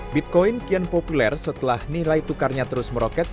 bitcoin kian populer setelah nilai tukarnya terus meroket